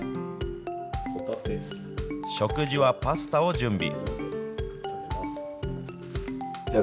食事はパスタを準備。